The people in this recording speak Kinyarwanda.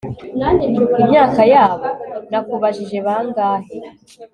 imyaka yabo? nakubajije bangahe